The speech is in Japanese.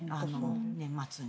年末に。